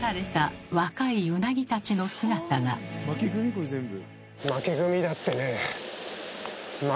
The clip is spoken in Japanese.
これ全部。